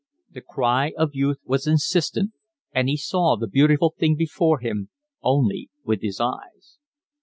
The cry of youth was insistent, and he saw the beautiful thing before him only with his eyes.